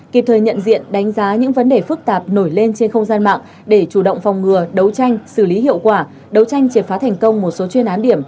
kịp thời nhận diện đánh giá những vấn đề phức tạp nổi lên trên không gian mạng để chủ động phòng ngừa đấu tranh xử lý hiệu quả đấu tranh triệt phá thành công một số chuyên án điểm